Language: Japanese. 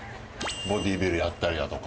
ボディビルやったりだとか。